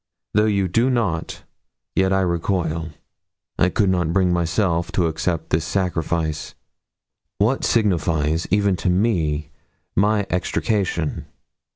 Though you do not, yet I recoil. I could not bring myself to accept this sacrifice. What signifies, even to me, my extrication?